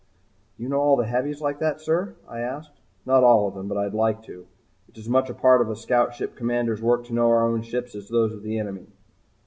"You know all the heavies like that, sir?" I asked. "Not all of them but I'd like to. It's as much a part of a scoutship commander's work to know our own ships as those of the enemy."